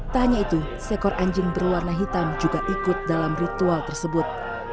tak hanya itu seekor anjing berwarna hitam juga ikut dalam ritual tersebut